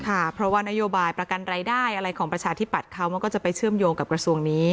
ค่ะเพราะว่านโยบายประกันรายได้อะไรของประชาธิปัตย์เขามันก็จะไปเชื่อมโยงกับกระทรวงนี้